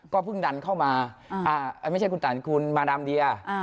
ก็เพิ่งดันเข้ามาไม่ใช่คุณต่านจิตภัทธ์คุณมาดำเดีย